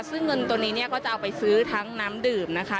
ซึ่งเงินตัวนี้เนี่ยก็จะเอาไปซื้อทั้งน้ำดื่มนะคะ